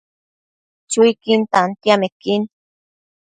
Chuiquin tantiamequin